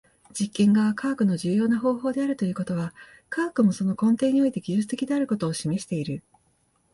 実験が科学の重要な方法であるということは、科学もその根底において技術的であることを示している。